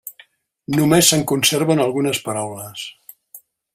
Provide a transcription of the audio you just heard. Només se'n conserven algunes paraules.